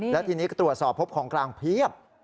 และทีนี้ก็ตรวจสอบพบของกลางเพียบ